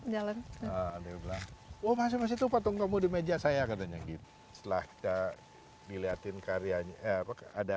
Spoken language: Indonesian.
jalan jalan oh masih itu patung kamu di meja saya katanya gitu setelah tak dilihatin karyanya ada